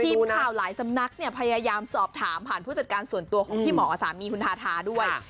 ทีมข่าวหลายสำนักเนี่ยพยายามสอบถามผ่านผู้จัดการส่วนตัวของพี่หมอสามีคุณทาทาด้วย